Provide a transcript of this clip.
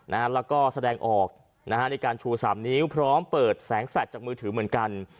แล้วก็แสดงออกนะฮะในการชูสามนิ้วพร้อมเปิดแสงแฟลตจากมือถือเหมือนกัน